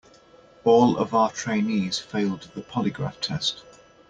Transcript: All of our trainees failed the polygraph test.